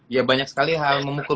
ya banyak sekali hal memukul